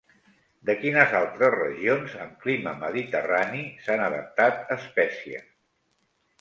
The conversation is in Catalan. De quines altres regions amb clima mediterrani s'han adaptat espècies?